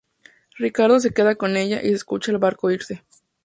Ricardo se queda con ella y se escucha el barco irse.